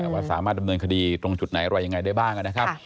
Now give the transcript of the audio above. ว่าสามารถดำเนินคดีตรงจุดไหนอะไรยังไงได้บ้างนะครับ